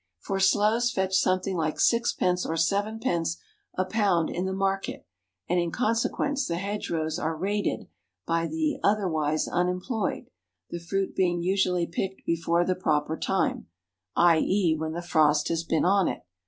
For sloes fetch something like sixpence or sevenpence a pound in the market; and in consequence the hedgerows are "raided" by the (otherwise) unemployed, the fruit being usually picked before the proper time, i.e. when the frost has been on it.